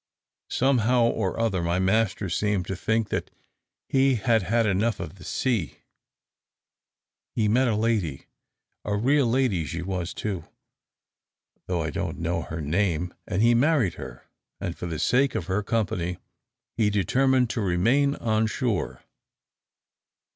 Somehow or other my master seemed to think that he had had enough of the sea. He met a lady, a real lady she was too, though I don't know her name, and he married her, and for the sake of her company he determined to remain on shore.